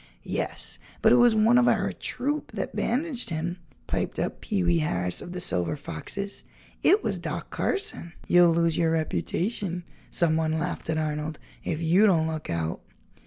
"Yes, but it was one of our troop that bandaged him," piped up Pee wee Harris of the Silver Foxes; "it was Doc Carson." "You'll lose your reputation," someone laughed at Arnold, "if you don't look out."